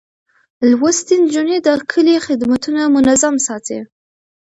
لوستې نجونې د کلي خدمتونه منظم ساتي.